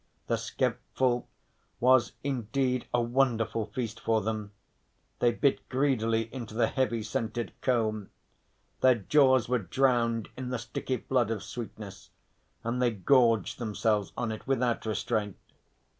The skep full was indeed a wonderful feast for them, they bit greedily into the heavy scented comb, their jaws were drowned in the sticky flood of sweetness, and they gorged themselves on it without restraint.